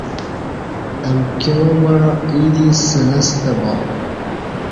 امکیاں مع ییں دی سنہ ستہ با